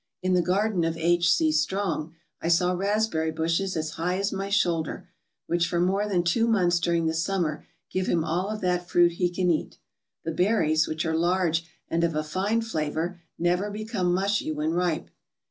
In the garden of H. C. Strong I saw raspberry bushes as high as my shoulder, which for more than two months during the summer, give him all of that fruit he can eat. The berries, which are large and of a fine flavour, never become mushy when ripe.